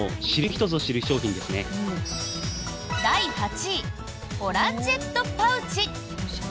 第８位オランジェットパウチ。